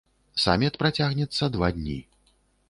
Саміт працягнецца два дні.